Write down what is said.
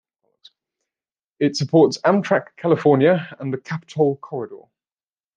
It supports Amtrak California and the "Capitol Corridor".